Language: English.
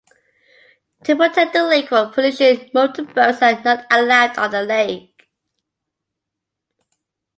To protect the lake from pollution, motor boats are not allowed on the lake.